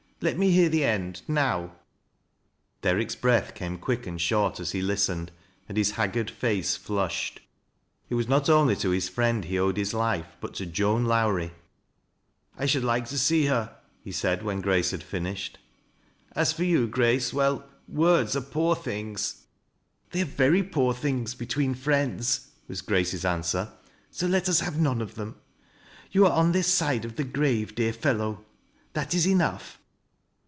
Let me hear the end nowP Derrick's breath came quick and short as he listened, and his haggard face flushed. It was not only to his friend he owed his life, but to Joan Lowrie. " I should like to see her," he said when Grace had fin ished. "As for you, Grace — well — words are pool things." " They are very poor things between friends," wa» Grace's answer ;" so let us have none of them. You are on this side of the grave, dear fellow — that is enough."